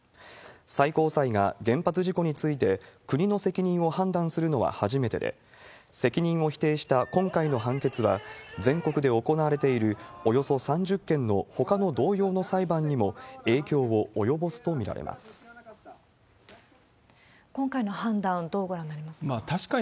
最高裁が原発事故について国の責任を判断するのは初めてで、責任を否定した今回の判決は、全国で行われているおよそ３０件のほかの同様の裁判にも影響を及今回の判断、どうご覧になりますか？